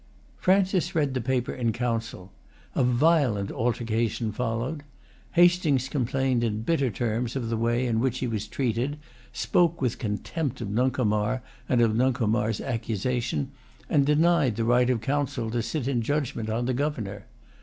Francis read the paper in Council. A violent altercation followed. Hastings complained in bitter terms of the way in which he was treated, spoke with contempt of Nuncomar and of Nuncomar's accusation, and denied the right of the Council to sit in judgment on the Governor.